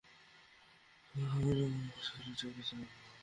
এখনই গাড়ির মালিকের ঠিকানা চাই আমার।